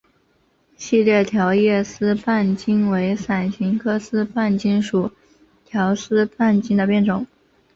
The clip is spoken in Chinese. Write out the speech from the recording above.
细裂条叶丝瓣芹为伞形科丝瓣芹属条叶丝瓣芹的变种。